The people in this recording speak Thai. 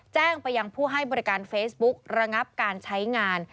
แจ้งไปยังผู้ให้บริการเฟซบุ๊กระงับการใช้งาน